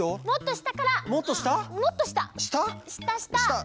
したした！